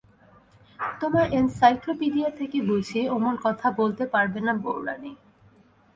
তোমার এনসাইাক্লোপীডিয়া থেকে বুঝি– অমন কথা বলতে পারবে না বউরানী।